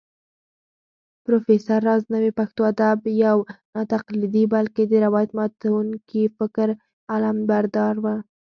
پروفېسر راز نوې پښتو ادب يو ناتقليدي بلکې د روايت ماتونکي فکر علمبردار و